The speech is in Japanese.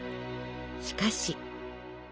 しかし。